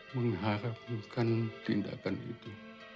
mengharapkan tindakan itu